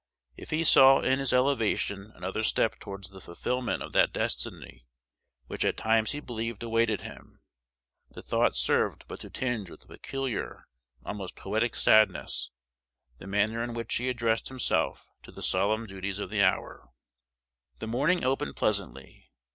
If he saw in his elevation another step towards the fulfilment of that destiny which at times he believed awaited him, the thought served but to tinge with a peculiar, almost poetic sadness, the manner in which he addressed himself to the solemn duties of the hour. [Illustration: Norman B. Judd 579] The morning opened pleasantly.